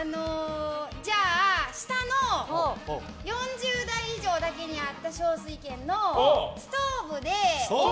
下の４０代以上だけにあった少数意見のストーブで。